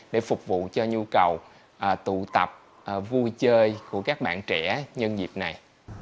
để phục vụ cho nhu cầu tụ tập vui chơi của các bạn trẻ nhân dịp này